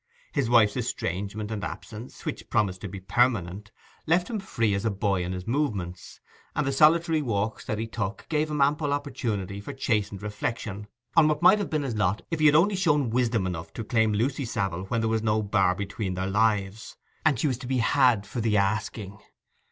His wife's estrangement and absence, which promised to be permanent, left him free as a boy in his movements, and the solitary walks that he took gave him ample opportunity for chastened reflection on what might have been his lot if he had only shown wisdom enough to claim Lucy Savile when there was no bar between their lives, and she was to be had for the asking.